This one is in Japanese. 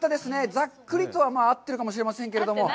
ざっくりとはまあ合っているかもしれませんけれども。